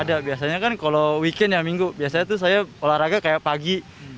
ada biasanya kan kalau weekend ya minggu biasanya tuh saya olahraga kayak pagi